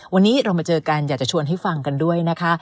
วันนี้เรามาเจอกันอยากจะชวนให้ฟังกันด้วยนะคะ